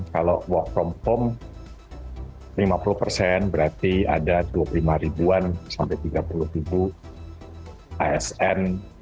kalau work from home lima puluh persen berarti ada dua puluh lima ribuan sampai tiga puluh ribu asn